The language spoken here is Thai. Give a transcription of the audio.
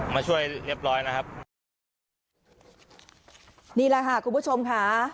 มาช่วยเรียบร้อยนะครับนี่แหละค่ะคุณผู้ชมค่ะ